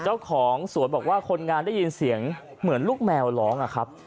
เจ้าของสวนบอกว่าคนงานได้ยินเสียงเหมือนลูกแมวร้องอะครับ